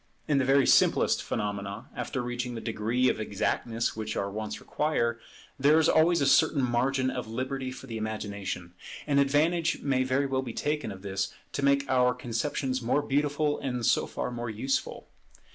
In the very simplest phenomena, after reaching the degree of exactness which our wants require, there is always a certain margin of liberty for the imagination; and advantage may very well be taken of this to make our conceptions more beautiful and so far more useful.